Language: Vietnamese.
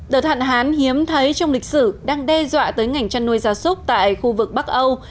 đợt hạn hán hiếm thấy trong lịch sử đang đe dọa tới ngành chăn nuôi gia súc tại khu vực bắc âu